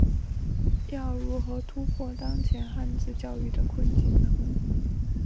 要如何突破当前汉字教育的困境呢？